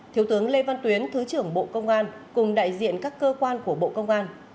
thiếu tướng lê văn tuyến thứ trưởng bộ công an cùng đại diện các cơ quan của bộ công an